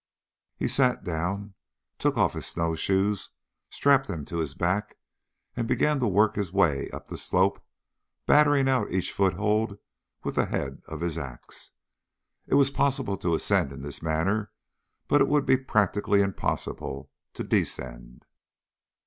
He sat down, took off his snowshoes, strapped them to his back, and began to work his way up the slope, battering out each foothold with the head of his ax. It was possible to ascend in this manner, but it would be practically impossible to descend.